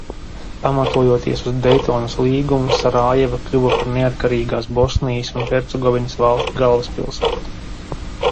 Pamatojoties uz Deitonas līgumu, Sarajeva kļuva par neatkarīgās Bosnijas un Hercegovinas valsts galvaspilsētu.